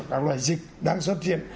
các loại dịch đang xuất hiện